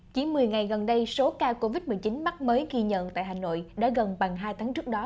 chỉ một mươi ngày gần đây số ca covid một mươi chín mắc mới ghi nhận tại hà nội đã gần bằng hai tháng trước đó